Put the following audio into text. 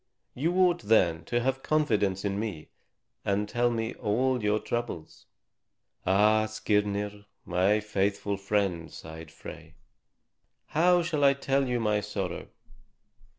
You ought, then, to have confidence in me and tell me all your troubles." "Ah, Skirnir, my faithful friend," sighed Frey, "how shall I tell you my sorrow?